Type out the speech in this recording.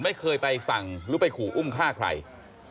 ไม่เคยไปสั่งหรือไปขู่อุ้มฆ่าใคร